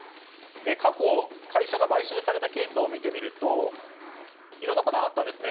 過去、会社が買収されたケースを見てみると、いろんなパターンあったんですね。